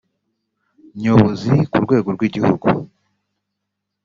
nyobozi ku rwego rw igihugu